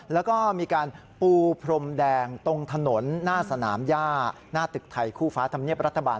แล้วก็มีการปูพรมแดงตรงถนนหน้าสนามย่าหน้าตึกไทยคู่ฟ้าธรรมเนียบรัฐบาล